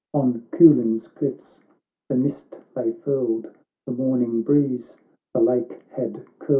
On Coolin's cliffs the mist lay furled, The morning breeze the lake had curled, CANTO III.